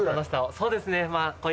そうですね。